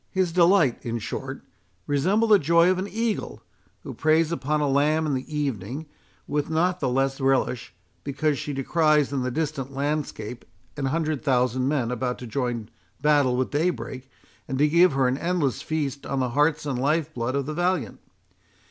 His delight, in short, resembled the joy of an eagle, who preys upon a lamb in the evening with not the less relish, because she descries in the distant landscape an hundred thousand men about to join battle with daybreak, and to give her an endless feast on the hearts and lifeblood of the valiant.